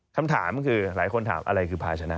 คำถามคือหลายคนถามอะไรคือภาชนะ